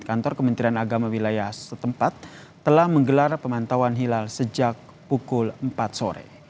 kantor kementerian agama wilayah setempat telah menggelar pemantauan hilal sejak pukul empat sore